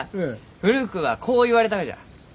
古くはこう言われたがじゃ。